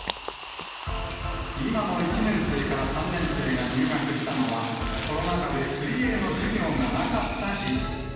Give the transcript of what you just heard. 今の１年生から３年生が入学したのは、コロナ禍で水泳の授業がなかった時期。